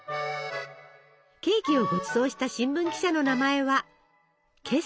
ケーキをごちそうした新聞記者の名前はケストナーさん。